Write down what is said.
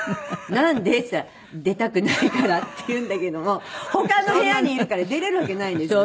「なんで？」って言ったら「出たくないから」って言うんだけども他の部屋にいるから出れるわけないんですよね。